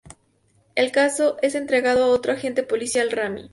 El caso es entregado a otro agente policial, Rami.